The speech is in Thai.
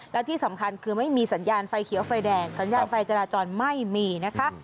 และที่สำคัญคือไม่มีสัญญาณไฟเขียวไฟแดงสัญญาณไฟจราจรไม่มีนะคะ